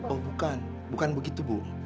oh bukan bukan begitu bu